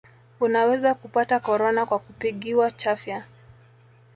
unaweza kupata korona kwa kupigiwa chafya